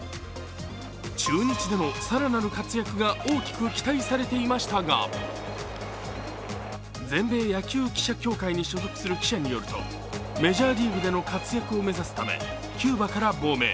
中日での更なる活躍が大きく期待されていましたが、全米野球記者協会に所属する記者によるとメジャーリーグでの活躍を目指すためキューバから亡命。